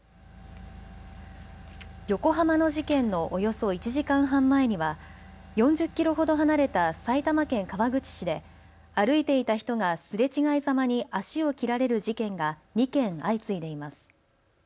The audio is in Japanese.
横浜の事件のおよそ１時間半前には４０キロほど離れた埼玉県川口市で歩いていた人がすれ違いざまに足を切られる事件が２件相次いでいます。